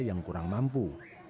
yang kurang mampu